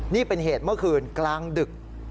นี่เป็นเหตุเมื่อคืนกลางดึก